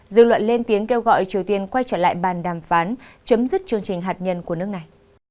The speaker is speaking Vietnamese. dư luận lên tiếng kêu gọi triều tiên quay trở lại bàn đàm phán chấm dứt chương trình hạt nhân của nước này